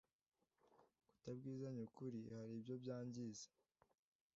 kutabwizanya ukuri haribyo byangiza